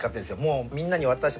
もうみんなに渡し。